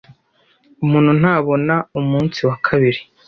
Umuntu ntabona umunsi wa kabiri.